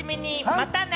またね！